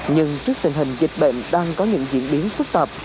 nhưng trước tình hình dịch bệnh đang có những diễn biến phức tạp